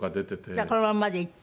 じゃあこのまんまで行って。